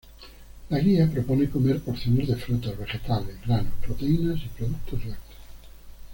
La guía propone comer porciones de frutas, vegetales, granos, proteína, y productos lácteos.